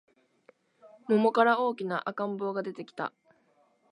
桃から大きな赤ん坊が出てきた